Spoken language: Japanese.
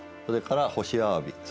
それから干しアワビ。